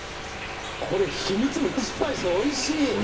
これ秘密のスパイスおいしい！